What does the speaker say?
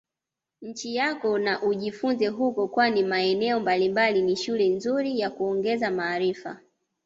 nchi yako na ujifunze huko kwani maeneo mbalimbali ni shule nzuri ya kuongeza maarifa